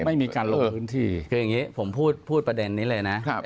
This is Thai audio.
ไม่มีการลงพื้นที่คืออย่างนี้ผมพูดประเด็นนี้เลยนะ